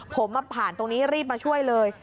ผมมาผ่านตรงนี้รีบมาช่วยเลย